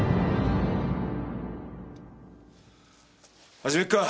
始めるか。